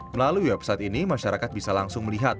melalui website ini masyarakat bisa langsung melihat